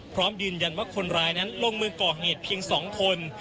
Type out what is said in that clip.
พร้อมยืนยันว่าคนร้ายนั้นลงมือก่อเหตุเพียง๒คน